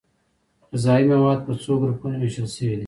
غذايي مواد په څو ګروپونو ویشل شوي دي